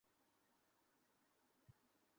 Sir, ততদিন আমি অপেক্ষা করতে পারবো না।